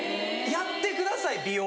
やってください美容。